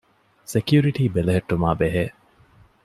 ސެކިއުރިޓީ ބެލެހެއްޓުމާ ބެހޭ